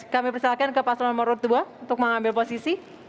kami persilakan ke paslon nomor dua untuk mengambil posisi